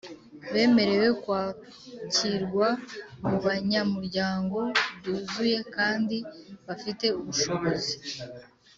Bemerewe kwakirwa mubanyamuryango byuzuye kandi bafite ubushobozi